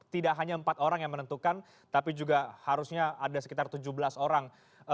tidak hanya empat orang yang menentukan tapi juga harusnya ada sekitar tujuh belas orang